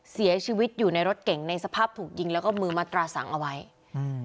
เสียชีวิตอยู่ในรถเก่งในสภาพถูกยิงแล้วก็มือมัตราสังเอาไว้อืม